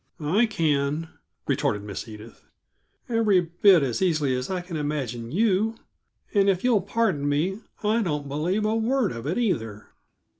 "I can," retorted Miss Edith, "every bit as easily as I can imagine you! And, if you'll pardon me, I don't believe a word of it, either."